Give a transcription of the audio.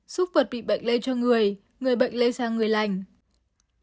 xúc vật bị bệnh lây cho người người bệnh lây sang người lành